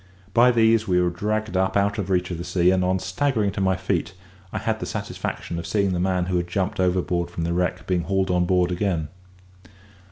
By these we were dragged up out of reach of the sea, and, on staggering to my feet, I had the satisfaction of seeing the man who had jumped overboard from the wreck being hauled on board again.